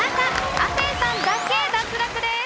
亜生さんだけ脱落です。